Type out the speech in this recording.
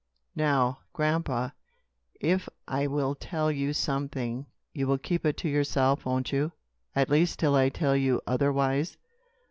"Now, grandpa, if I will tell you something, you will keep it to yourself, won't you at least till I tell you otherwise?"